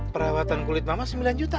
perawatan kulit mama sembilan juta